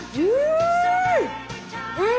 うん！